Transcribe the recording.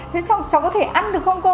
thế xong cháu có thể ăn được không cô